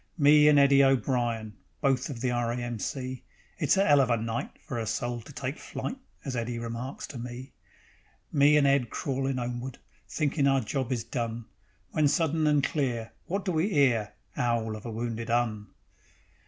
Me and Eddie O'Brian, Both of the R. A. M. C. "It's a 'ell of a night For a soul to take flight," As Eddie remarks to me. Me and Ed crawlin' 'omeward, Thinkin' our job is done, When sudden and clear, Wot do we 'ear: 'Owl of a wounded 'Un.